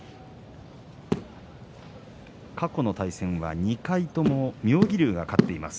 過去の対戦は２回とも妙義龍が勝っています。